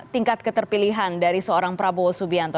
tingkat keterpilihan dari seorang prabowo subianto